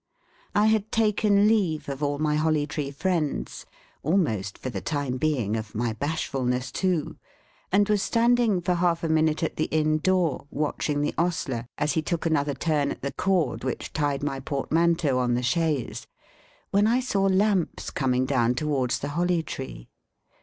I had taken leave of all my Holly Tree friends almost, for the time being, of my bashfulness too and was standing for half a minute at the Inn door watching the ostler as he took another turn at the cord which tied my portmanteau on the chaise, when I saw lamps coming down towards the Holly Tree.